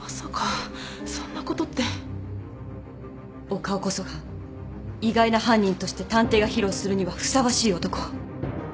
岡尾こそが意外な犯人として探偵が披露するにはふさわしい男。